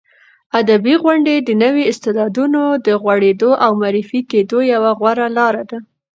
ادبي غونډې د نویو استعدادونو د غوړېدو او معرفي کېدو یوه غوره لاره ده.